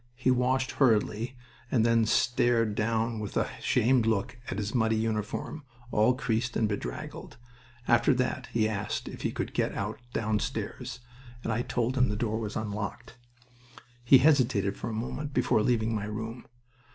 He washed hurriedly, and then stared down with a shamed look at his muddy uniform, all creased and bedraggled. After that he asked if he could get out downstairs, and I told him the door was unlocked. He hesitated for a moment before leaving my room.